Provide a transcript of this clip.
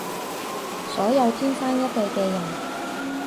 所有天生一對嘅人